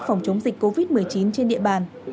phòng chống dịch covid một mươi chín trên địa bàn